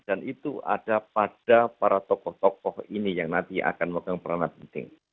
dan itu ada pada para tokoh tokoh ini yang nanti akan memegang peranan penting